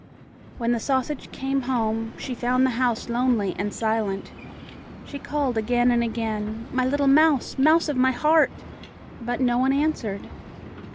When the sausage came home, she found the house lonely and silent. She called again and again, "My little mouse! Mouse of my heart!" but no one answered.